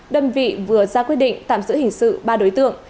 đơn vị vừa ra quyết định tạm giữ hình sự ba đối tượng